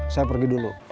saya pergi dulu